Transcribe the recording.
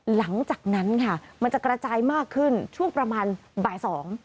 หลังจากนั้นค่ะมันจะกระจายมากขึ้นช่วงประมาณบ่ายสอง